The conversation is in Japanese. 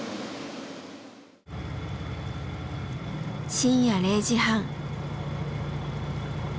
深夜０時半。